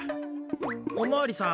おまわりさん